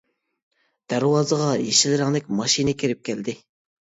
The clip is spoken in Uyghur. دەرۋازىغا يېشىل رەڭلىك ماشىنا كىرىپ كەلدى.